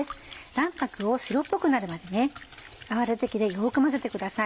卵白を白っぽくなるまで泡立て器でよく混ぜてください。